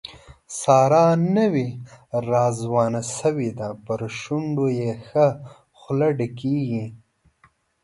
ساره نوې راځوانه شوې ده، په شونډو یې ښه خوله ډکېږي.